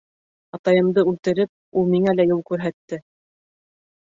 Атайымды үлтереп, ул миңә лә юл күрһәтте.